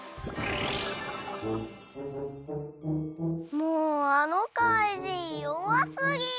もうあのかいじんよわすぎ！